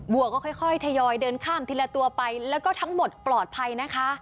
วัวก็ค่อยทยอยเดินข้ามทีละตัวไปแล้วก็ทั้งหมดปลอดภัยนะคะ